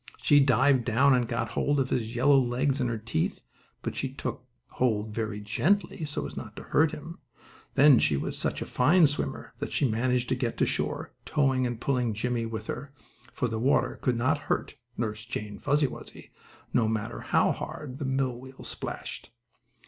She dived down, and got hold of his yellow legs in her teeth, but she took hold very gently, so as not to hurt him. Then she was such a fine swimmer that she managed to get to shore, towing and pulling Jimmie with her, for the water could not hurt Nurse Jane Fuzzy Wuzzy, no matter how hard the millwheel splashed.